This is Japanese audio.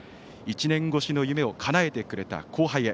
１年越しの夢をかなえてくれた後輩へ。